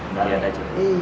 nggak liat aja